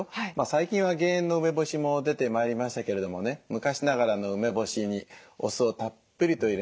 最近は減塩の梅干しも出てまいりましたけれどもね昔ながらの梅干しにお酢をたっぷりと入れましてね。